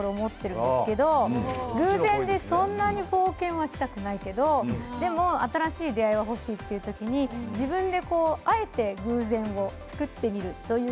偶然で、そんなに冒険はしたくないけれど新しい出会いが欲しいという時に自分で、あえて偶然を作ってみる。